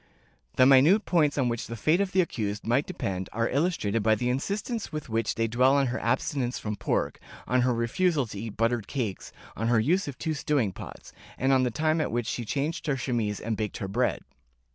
The minute points on which the fate of the accused might depend are illustrated by the insistence with which they dwell on her abstinence from pork, on her refusal to eat buttered cakes, on her use of two stewing pots, and on the time at which she changed her chemise and baked her bread.